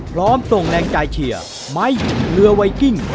พร้อมส่งแรงใจเชียร์ไม้เรือไวกิ้ง